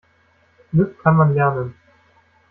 Glück kann man lernen.